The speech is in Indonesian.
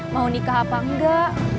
mau nikah apa enggak